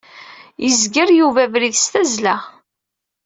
Yezger Yuba abrid s tazzla.